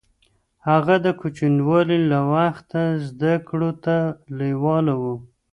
هغه د کوچنيوالي له وخته زده کړو ته لېواله و.